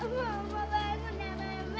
mama bangun ya mama